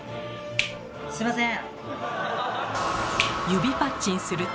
すみません！